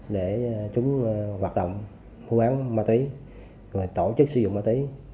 để chúng hoạt động mua bán ma túy rồi tổ chức sử dụng ma túy